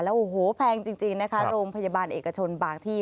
โอ้โหแพงจริงนะคะโรงพยาบาลเอกชนบางที่